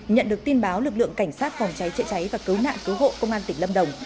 nhận được tin báo lực lượng cảnh sát phòng cháy chữa cháy và cứu nạn cứu hộ công an tỉnh lâm đồng